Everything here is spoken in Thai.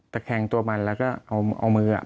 แคงตัวมันแล้วก็เอามือ